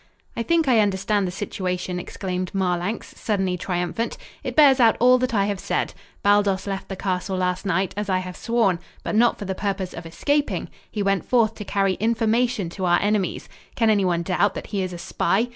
"I think I understand the situation," exclaimed Marlanx, suddenly triumphant. "It bears out all that I have said. Baldos left the castle last night, as I have sworn, but not for the purpose of escaping. He went forth to carry Information to our enemies. Can anyone doubt that he is a spy?